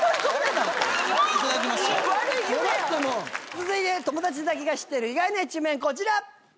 続いて友達だけが知ってる意外な一面こちら。